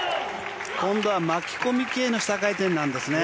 今度は巻き込み系の下回転なんですね。